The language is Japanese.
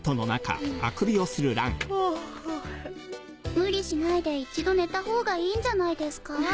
無理しないで一度寝た方がいいんじゃないですか？